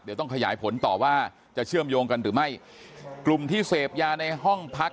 เดี๋ยวต้องขยายผลต่อว่าจะเชื่อมโยงกันหรือไม่กลุ่มที่เสพยาในห้องพัก